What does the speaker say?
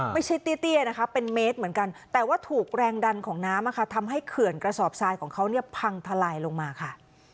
เตี้ยนะคะเป็นเมตรเหมือนกันแต่ว่าถูกแรงดันของน้ำทำให้เขื่อนกระสอบทรายของเขาเนี่ยพังทลายลงมาค่ะ